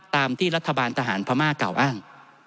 ตามที่รัฐบาลทหารพม่ากล่าวอ้าง